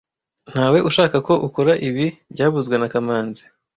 Ntawe ushaka ko ukora ibi byavuzwe na kamanzi